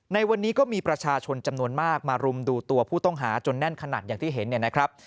ในวันนี้ก็มีประชาชนจำนวนมากมารุมดูตัวผู้ต้องหาจนแน่นขนาดอย่างที่เห็นเนี่ยนะครับ